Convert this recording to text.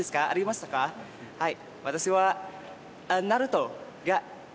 はい。